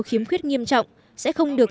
khiếm khuyết nghiêm trọng sẽ không được